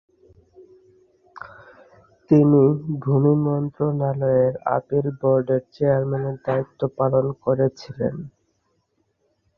তিনি ভূমি মন্ত্রণালয়ের আপিল বোর্ডের চেয়ারম্যানের দায়িত্ব পালন করেছিলেন।